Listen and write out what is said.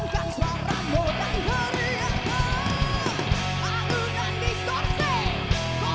tantri negeriku yang ku cinta